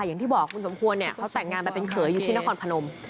อย่างที่บอกคุณสมควรเนี่ยเขาแต่งงานไปเป็นเขยอยู่ที่นครพนม